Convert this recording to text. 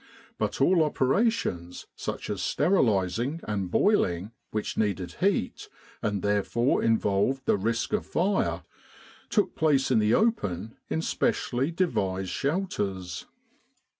But all operations such as sterilising and boiling, which needed heat, and therefore involved the risk of fire, took place in the open in specially devised shelters.